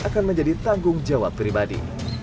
akan menjadi tanggung jawab pribadi